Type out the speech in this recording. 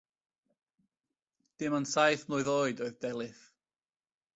Dim ond saith mlwydd oed oedd Delyth.